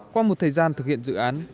qua một thời gian thực hiện dự án